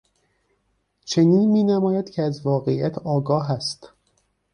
چنین مینماید که از واقعیت آگاه است.